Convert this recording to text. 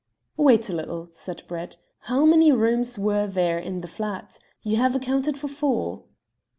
"Wait a little," said Brett. "How many rooms were there in the flat? You have accounted for four."